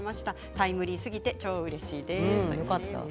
タイムリーすぎて超うれしいです。